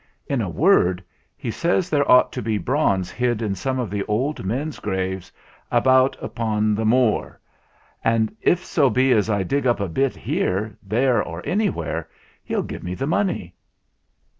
In a word, he says there ought to be bronze hid in some of the old men's graves about 'pon the Moor. And if so be as I dig up a bit here, there, or anywhere, he'll give me the money."